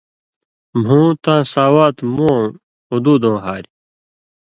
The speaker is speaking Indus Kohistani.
مھُوں تاں ساوات مُووؤں (حُدودٶں) ہاریۡ